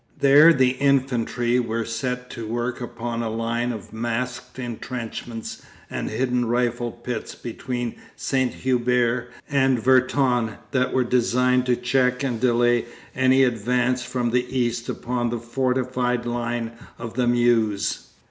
There the infantry were set to work upon a line of masked entrenchments and hidden rifle pits between St Hubert and Virton that were designed to check and delay any advance from the east upon the fortified line of the Meuse.